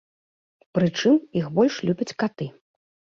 Прычым, іх больш любяць каты.